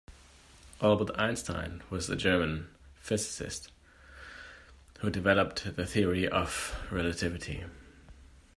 Albert Einstein was a German physicist who developed the Theory of Relativity.